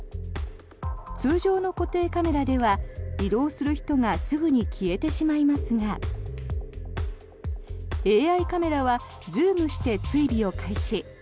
通常の固定カメラでは移動する人がすぐに消えてしまいますがＡＩカメラはズームして追尾を開始。